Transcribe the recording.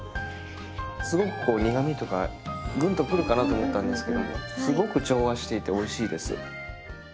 すごくこう苦みとかグンとくるかなと思ったんですけどもすごく調和していておいしいです。